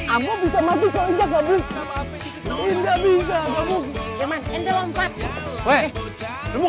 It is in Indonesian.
ama bisa mati kalau dia kabur